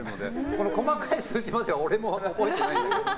細かい数字までは俺も覚えてないんだけど。